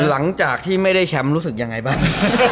หลังจากที่ไม่ได้แชมป์รู้สึกยังไงบ้าง